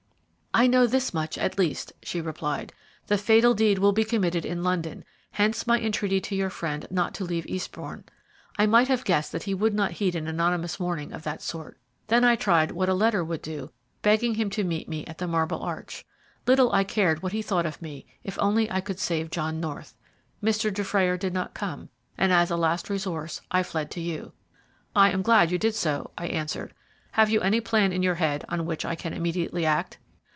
"I know this much at least," she replied. "The fatal deed will be committed in London, hence my entreaty to your friend not to leave Eastbourne. I might have guessed that he would not heed an anonymous warning of that sort. Then I tried what a letter would do, begging him to meet me at the Marble Arch. Little I cared what he thought of me if only I could save John North. Mr. Dufrayer did not come, and as a last resource I fled to you." "I am glad you did so," I answered. "Have you any plan in your head on which I can immediately act?"